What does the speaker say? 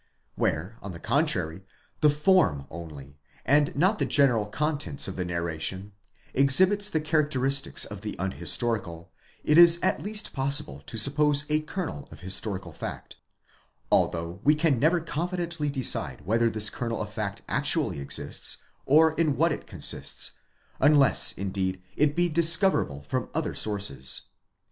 Where on the contrary, the form only, and not the general contents of the narration, exhibits the characteristics of the unhistorical, it is at least poss*ble to suppose a kernel of historical tact; although we can never confidently decide whether this kernel of fact actually exists, or in what it consists; unless, indeed, it be discoverable from other sources.